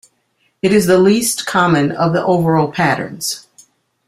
It is the least common of the overo patterns.